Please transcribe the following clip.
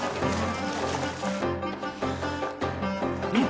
うん！